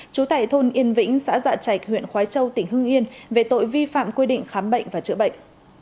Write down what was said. chú tải thôn yên vĩnh xã dạ trạch huyện khoái châu tỉnh hương yên về tội vi phạm quy định khám bệnh và chữa bệnh